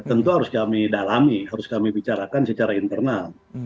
tentu harus kami dalami harus kami bicarakan secara internal